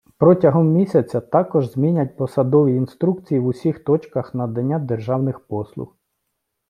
Протягом місяця також змінять посадові інструкції в усіх точках надання державних послуг.